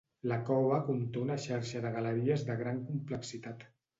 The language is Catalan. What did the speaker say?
La cova conté una xarxa de galeries de gran complexitat.